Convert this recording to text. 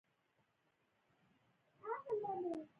احمد په هر مجلس کې حقایق څرګندوي.